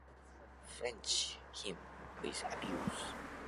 Finch repays him with abuse.